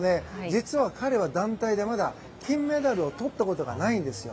実は彼は団体でまだ金メダルをとったことがないんですよ。